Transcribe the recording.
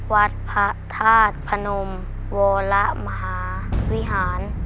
วัดพระธาตุพนมวรมหาวิหาร